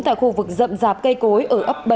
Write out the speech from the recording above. tại khu vực rậm rạp cây cối ở ấp bảy